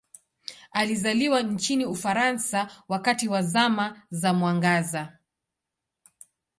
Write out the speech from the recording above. Alizaliwa nchini Ufaransa wakati wa Zama za Mwangaza.